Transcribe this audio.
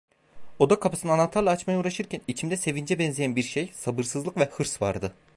Oda kapısını anahtarla açmaya uğraşırken içimde sevince benzeyen bir şey, sabırsızlık ve hırs vardı.